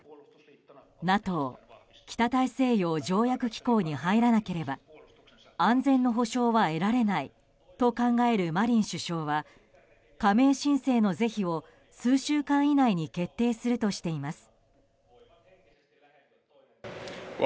ＮＡＴＯ・北大西洋条約機構に入らなければ安全の保証は得られないと考えるマリン首相は加盟申請の是非を数週間以内に決定するとしています。